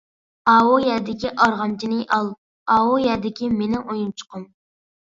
«ئاۋۇ يەردىكى ئارغامچىنى ئال-ئاۋۇ يەردىكى، مېنىڭ ئويۇنچۇقۇم» .